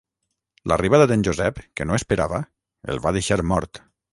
L'arribada d'en Josep, que no esperava, el va deixar mort.